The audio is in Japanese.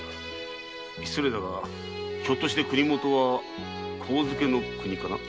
失礼だがひょっとして国許は上野国かな？